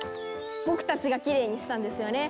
僕たちがきれいにしたんですよね！